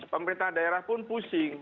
pemerintah daerah pun pusing